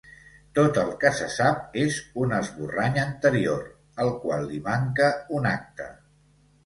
Tot el que se sap és un esborrany anterior, al qual li manca un acte.